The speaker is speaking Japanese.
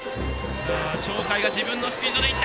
さあ鳥海が自分のスピードで行った！